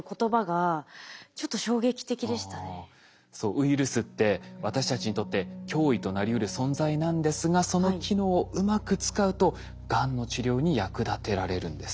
ウイルスって私たちにとって脅威となりうる存在なんですがその機能をうまく使うとがんの治療に役立てられるんです。